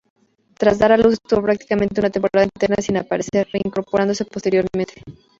Tras dar a luz, estuvo prácticamente una temporada entera sin aparecer, reincorporándose posteriormente.